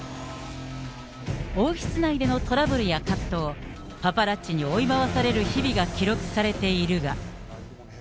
王室内でのトラブルや葛藤、パパラッチに追い回される日々が記録されているが。